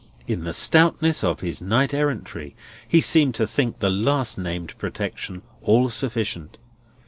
In the stoutness of his knight errantry, he seemed to think the last named protection all sufficient.